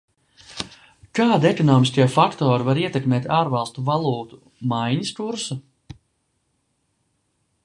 Kādi ekonomiskie faktori var ietekmēt ārvalstu valūtu maiņas kursu?